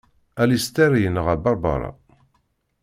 Alister yenɣa Barbara.